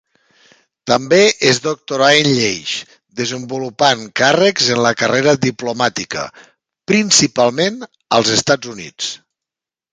També es doctorà en lleis, desenvolupant càrrecs en la carrera diplomàtica, principalment als Estats Units.